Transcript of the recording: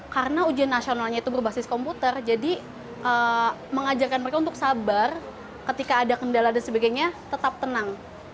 karena ujian nasionalnya itu berbasis komputer jadi mengajarkan mereka untuk sabar ketika ada kendala dan sebagainya tetap tenang